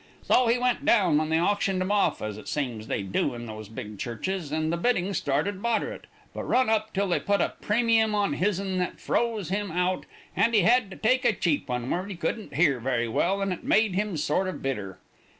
So he went down when they auctioned 'em off, as it seems they do in those big churches, and the bidding started moderate, but run up till they put a premium on his'n that froze him out, and he had to take a cheap one where he couldn't hear very well, and it made him sort of bitter.